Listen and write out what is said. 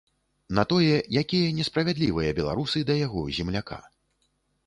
На тое, якія несправядлівыя беларусы да яго, земляка.